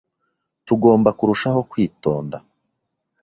Tugomba kurushaho kwitonda.